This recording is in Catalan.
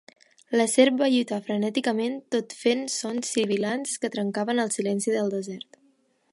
La serp va lluitar frenèticament, tot fent sons sibilants que trencaven el silenci del desert.